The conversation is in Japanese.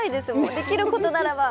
できることならば。